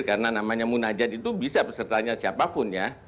karena namanya munajat itu bisa pesertanya siapapun ya